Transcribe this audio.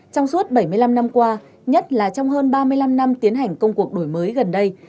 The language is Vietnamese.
trong suốt bảy mươi năm năm qua nhất là trong hơn ba mươi năm năm tiến hành công cuộc đổi mới gần đây